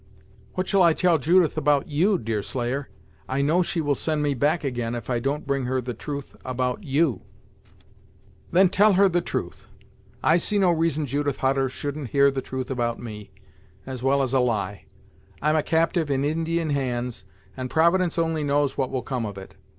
"What shall I tell Judith about you, Deerslayer; I know she will send me back again, if I don't bring her the truth about you." "Then tell her the truth. I see no reason Judith Hutter shouldn't hear the truth about me, as well as a lie. I'm a captyve in Indian hands, and Providence only knows what will come of it!